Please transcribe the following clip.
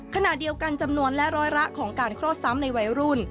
ขณะเดียวกันจำนวนและร้อยละของการคลอดซ้ำในวัยรุ่น